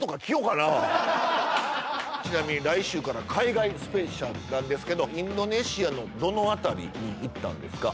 ちなみに来週から海外スペシャルなんですけどインドネシアのどの辺りに行ったんですか？